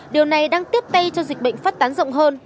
điều này đang tiếp tay cho dịch bệnh phát tán rộng hơn